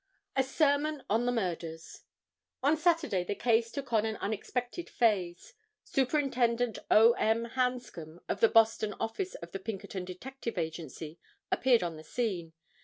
A Sermon on the Murders. On Saturday the case took on an unexpected phaze. Superintendent O. M. Hanscom of the Boston office of the Pinkerton Detective Agency appeared on the scene.